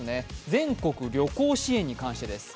全国旅行支援に関してです。